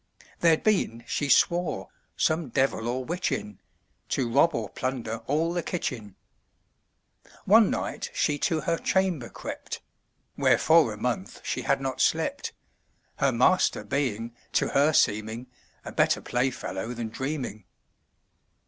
There'd been (she swore) some dev'l or witch in, To rob or plunder all the kitchen. One night she to her chamber crept (Where for a month she had not slept; Her master being, to her seeming, A better play fellow than dreaming).